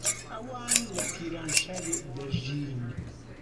ئەوان لە پیرانشار دەژین.